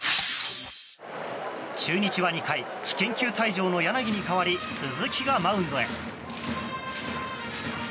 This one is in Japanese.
中日は２回危険球退場の柳に代わり鈴木がマウンドへ。